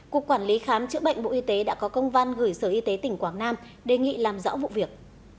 cục quản lý khám chữa bệnh bộ y tế đã có công văn gửi sở y tế tỉnh quảng nam đề nghị làm rõ vụ việc